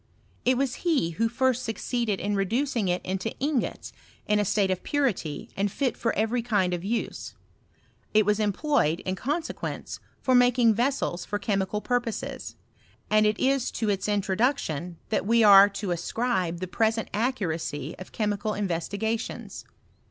It was he who first suc ceeded in reducing it into ingots in a state of puritj and fit for every kind of use : it was employed, in consequence, for making vessels for chemical pur poses ; and it is to its introduction that we are to ascribe the present accuracy of chemical investiga tions.